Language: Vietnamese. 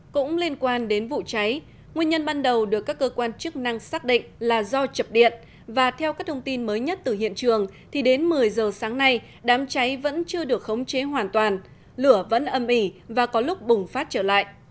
cũng liên quan đến vụ cháy nguyên nhân ban đầu được các cơ quan chức năng xác định là do chập điện và theo các thông tin mới nhất từ hiện trường thì đến một mươi giờ sáng nay đám cháy vẫn chưa được khống chế hoàn toàn lửa vẫn âm ỉ và có lúc bùng phát trở lại